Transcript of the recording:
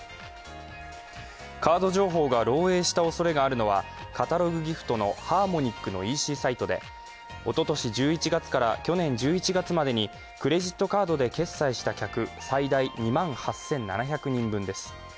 カード情報が漏えいしたおそれがあるのはカタログギフトのハーモニックのＥＣサイトでおととし１１月から去年１１月までにクレジットカードで決済した客、最大２万８７００人分です。